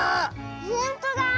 ほんとだ！